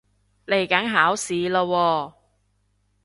嚟緊考試喇喎